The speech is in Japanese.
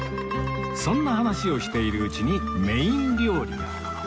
そんな話をしているうちにメイン料理が